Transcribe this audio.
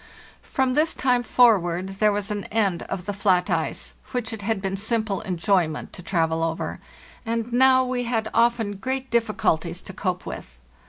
From this time forward there was an end of the flat ice, which it had been simple enjoyment to travel over; and now we had often great difficulties to cope with.